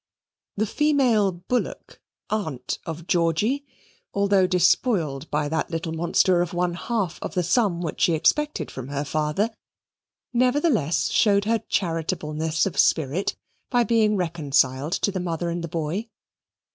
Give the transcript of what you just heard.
The female Bullock, aunt of Georgy, although despoiled by that little monster of one half of the sum which she expected from her father, nevertheless showed her charitableness of spirit by being reconciled to the mother and the boy.